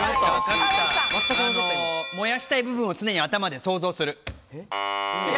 燃やしたい部分を、常に頭で想像する。